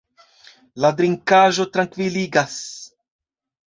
La drinkaĵo trankviligas.